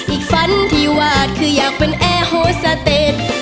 อีกฝันที่หวาดคืออยากเป็นเอฮโฮซาเตช